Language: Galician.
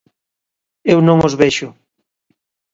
Eu non os vexo.